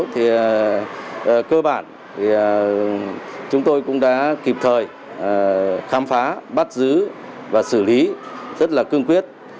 thì cơ bản thì chúng tôi cũng đã kịp thời khám phá bắt giữ và xử lý rất là cương quyết